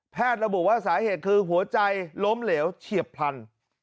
ระบุว่าสาเหตุคือหัวใจล้มเหลวเฉียบพลัน